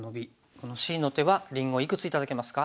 このＣの手はりんごいくつ頂けますか？